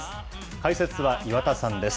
解説は岩田さんです。